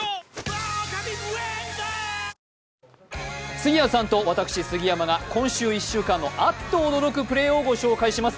杉谷さんと私、杉山が今週１週間のあっと驚くプレーをご紹介します。